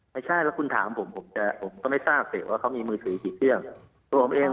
ไม่ใช่ถ้าคุณถามผมผมก็ไม่ทราบว่าเขามีมือถืออยู่ที่เที่ยว